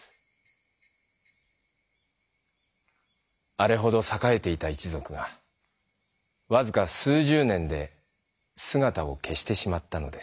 あれほど栄えていた一ぞくがわずか数十年ですがたをけしてしまったのです。